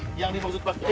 jadi yang dimaksud pak kiai